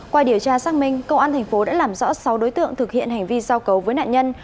qua điều tra xác minh công an tp đã làm rõ sáu đối tượng thực hiện hành vi giáo cấu với nạn nhân